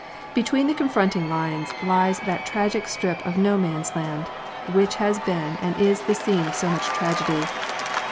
Between the confronting lines lies that tragic strip of No Man's Land, which has been and is the scene of so much tragedy.